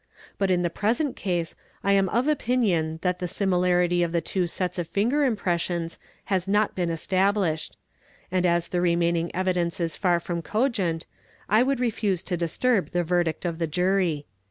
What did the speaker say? But in the present ase I am of opinion that the similarity of the two sets of finger im pressions has not been established ; and as the remaining evidence is far 3 rom cogent, I would refuse to disturb the verdict of the Jury.